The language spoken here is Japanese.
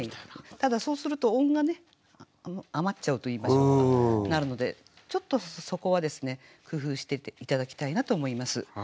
ただそうすると音がね余っちゃうといいましょうかなるのでちょっとそこは工夫して頂きたいなと思います。